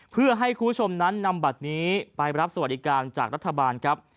เพื่อให้คุณผู้ชมนั้นนำบัตรนี้ไปรับสวัสดิการจากรัฐบาลครับ